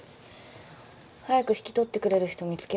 早く引き取ってくれる人見つけるから。